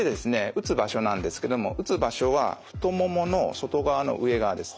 打つ場所なんですけども打つ場所は太ももの外側の上側です。